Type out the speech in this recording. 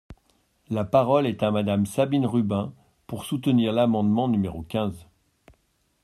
La parole est à Madame Sabine Rubin, pour soutenir l’amendement numéro quinze.